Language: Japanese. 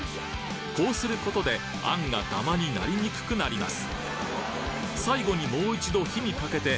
こうすることで餡がダマになりにくくなります